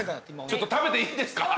ちょっと食べていいですか？